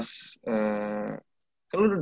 kan lu sempet ke amerika juga ya